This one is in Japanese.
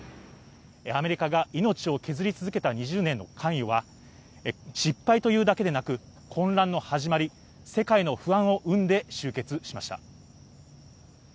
アメリカが命を削り続けた２０年間の関与は失敗というだけでなく混乱の始まり、世界の不安を生んで終結しました。